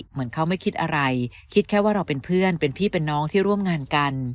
เหมือนเขาไม่คิดอะไรคิดแค่ว่าเราเป็นเพื่อนเป็นพี่เป็นน้องที่ร่วมงานกัน